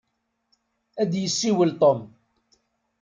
Ad d-yessiwel Tom.